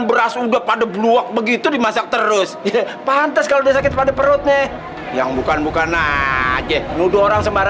bang kosim kita kan tetanggaan udah lama